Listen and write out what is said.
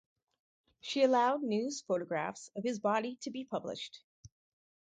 She allowed news photographs of his body to be published.